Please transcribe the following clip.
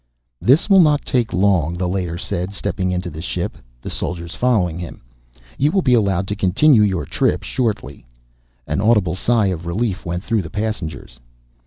"This will not take long," the Leiter said, stepping into the ship, the soldiers following him. "You will be allowed to continue your trip shortly." An audible sigh of relief went through the passengers.